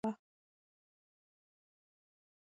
که ته کار غواړې نو انټرنیټ کې یې ولټوه.